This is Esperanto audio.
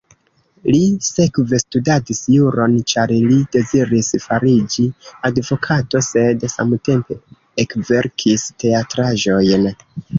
Li sekve studadis juron, ĉar li deziris fariĝi advokato, sed samtempe ekverkis teatraĵojn.